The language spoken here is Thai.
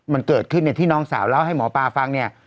มันเกิดขึ้นเนี่ยที่น้องสาวเล่าให้หมอปลาฟังเนี่ย